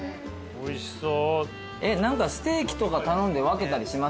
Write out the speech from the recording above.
おいしそう。